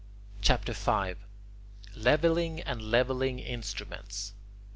CHAPTER V LEVELLING AND LEVELLING INSTRUMENTS 1.